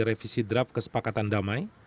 revisi draft kesepakatan damai